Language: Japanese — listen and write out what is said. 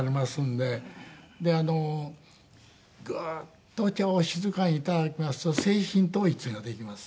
でグーッとお茶を静かに頂きますと精神統一ができます